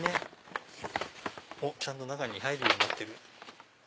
ちゃんと中に入るようになってる。